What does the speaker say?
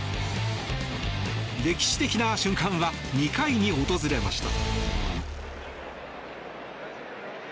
歴史的な瞬間は２回に訪れました。